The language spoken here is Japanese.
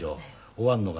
終わるのが。